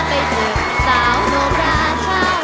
ไปเถิดสาวโนรา